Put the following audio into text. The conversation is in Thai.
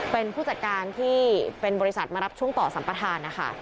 เป็นผู้จัดการที่เป็นบริษัทมารับช่วงต่อสัมปทานนะคะ